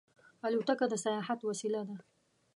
الوتکه د سیاحت وسیله ده.